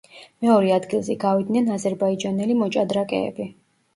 მეორე ადგილზე გავიდნენ აზერბაიჯანელი მოჭადრაკეები.